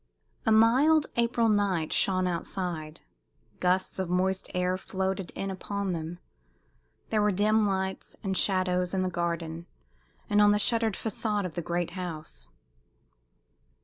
A mild April night shone outside. Gusts of moist air floated in upon them. There were dim lights and shadows in the garden and on the shuttered facade of the great house.